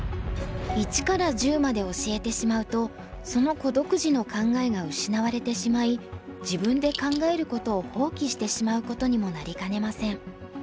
１から１０まで教えてしまうとその子独自の考えが失われてしまい自分で考えることを放棄してしまうことにもなりかねません。